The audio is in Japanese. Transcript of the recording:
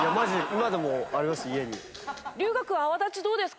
今でもあります